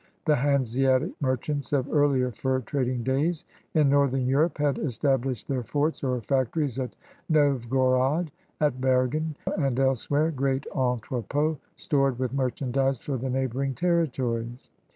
The Hanseatic merchants of earlier fur trading days in Northern Europe had established their forts or factories at Novgorod, at Bergen, and elsewhere, great entrepSts stored with merchandise for the neighboring territories.